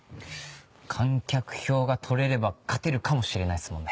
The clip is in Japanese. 観客票が取れれば勝てるかもしれないっすもんね。